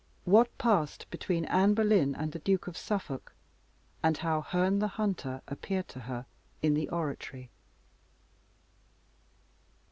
What passed between Anne Boleyn and the Duke of Suffolk, and how Herne the Hunter appeared to her in the Oratory.